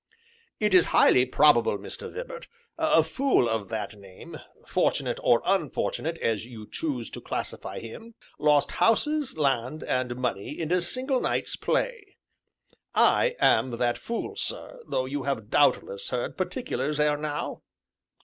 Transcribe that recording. "It is highly probable, Mr. Vibart; a fool of that name fortunate or unfortunate as you choose to classify him lost houses, land, and money in a single night's play. I am that fool, sir, though you have doubtless heard particulars ere now?"